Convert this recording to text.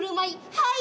はい。